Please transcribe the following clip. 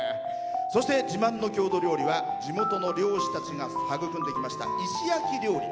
そして自慢の郷土料理は地元の漁師たちが育んできた石焼き料理。